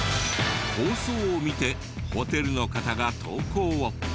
放送を見てホテルの方が投稿を。